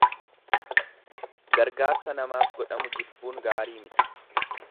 Gargaarsa namaaf godhamu jibbuun gaarii miti.